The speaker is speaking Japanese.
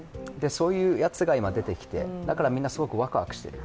そういうやつが今、出てきてだからみんな、すごくワクワクしている。